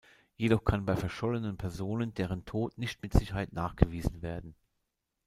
Jedoch kann bei verschollenen Personen deren Tod nicht mit Sicherheit nachgewiesen werden.